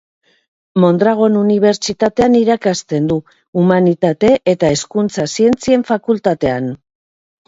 Mondragon Unibertsitatean irakasten du, Humanitate eta Hezkuntza Zientzien Fakultatean.